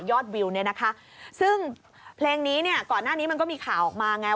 วิวเนี่ยนะคะซึ่งเพลงนี้เนี่ยก่อนหน้านี้มันก็มีข่าวออกมาไง